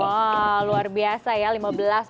wah luar biasa ya lima belas berarti